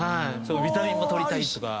ビタミンも取りたいとか。